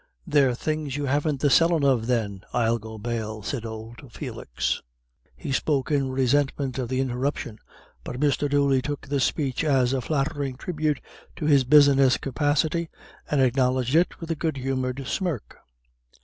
"They're things you haven't the sellin' of then, I'll go bail," said old Felix. He spoke in resentment of the interruption, but Mr. Dooley took the speech as a flattering tribute to his business capacity, and acknowledged it with a good humoured smirk.